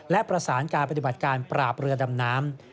และประสานการปฏิบัติการปราบเรือดำน้ำ